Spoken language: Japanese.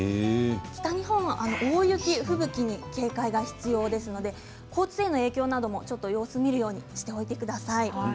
北日本は大雪、吹雪に警戒が必要ですので交通への影響も様子を見るようにしておいてください。